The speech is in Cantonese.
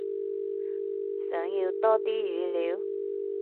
想要多啲語料？